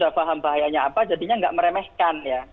kalau sudah paham bahayanya apa jadinya tidak meremehkan ya